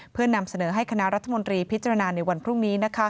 เพื่อนำเสนอให้คณะรัฐมนตรีพิจารณาในวันพรุ่งนี้